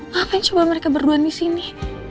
ngapain coba mereka berduan disini